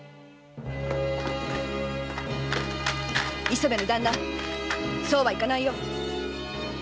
磯部の旦那そうはいかないよ。